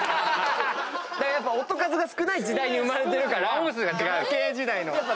やっぱ音数が少ない時代に生まれてるから。